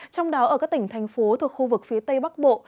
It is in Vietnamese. trong đó ở các tỉnh thành phố thuộc khu vực phía tây bắc bộ